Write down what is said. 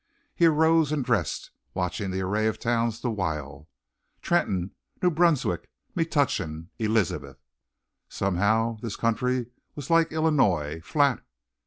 He arose and dressed, watching the array of towns the while, Trenton, New Brunswick, Metuchen, Elizabeth. Somehow this country was like Illinois, flat.